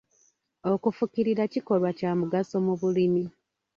Okufukirira kikolwa kya mugaso mu bulimi.